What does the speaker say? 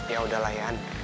ya udahlah iyan